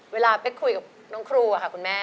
เวลาเป็นคุยกับน้องครูอะค่ะคุณแม่